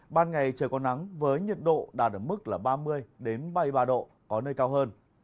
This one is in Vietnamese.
ban ngày trời có nắng với nhiệt độ đạt ở mức ba mươi ba mươi ba độ có nơi cao hơn